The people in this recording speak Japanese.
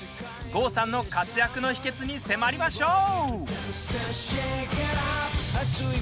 郷さんの活躍の秘けつに迫りましょう。